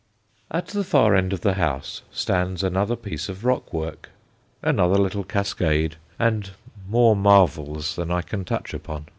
At the far end of the house stands another piece of rockwork, another little cascade, and more marvels than I can touch upon.